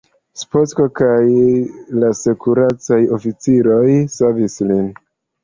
Spock kaj la sekurecaj oficiroj savis ilin.